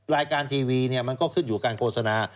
รายการทีวีมันก็ขึ้นอยู่การโฆษณา